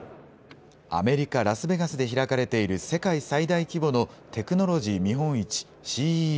アメリカ・ラスベガスで開かれている世界最大規模のテクノロジー見本市、ＣＥＳ。